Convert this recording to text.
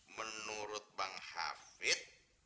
menurut bang hafid